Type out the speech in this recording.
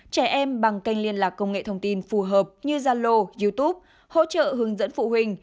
trẻ em bằng kênh liên lạc công nghệ thông tin phù hợp như zalo youtube hỗ trợ hướng dẫn phụ huynh